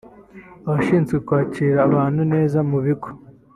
abashinzwe kwakira abantu neza mu bigo